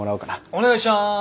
お願いします。